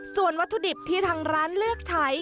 ส่วนวัตถุดิบที่ทางร้านเลือกใช้